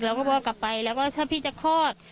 เราก็บอกกลับไปแล้วก็ถ้าพี่จะคลอด